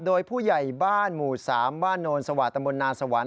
โดยผู้ใหญ่บ้านหมู่๓บ้านโนนสวาสตร์ตำบลนานสวาน